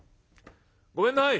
「ごめんない」。